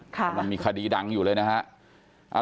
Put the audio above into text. มันมีคดีดังอยู่เลยนะฮะ